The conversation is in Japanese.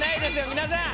皆さん。